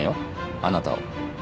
あなたを。